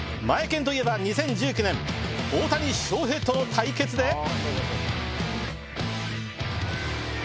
マエケンといえば２０１９年大谷翔平との対決で。